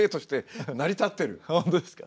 本当ですか？